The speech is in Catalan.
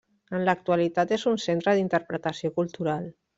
En l'actualitat és un centre d'interpretació cultural.